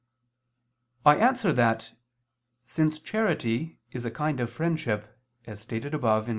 I answer that, Since charity is a kind of friendship, as stated above (Q.